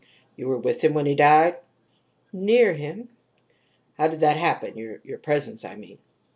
"You were with him when he died?" "Near him." "How did that happen your presence, I mean?"